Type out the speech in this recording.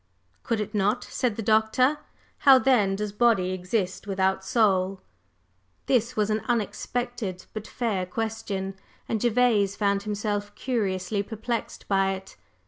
…" "Could it not?" said the Doctor. "How, then, does body exist without soul?" This was an unexpected but fair question, and Gervase found himself curiously perplexed by it.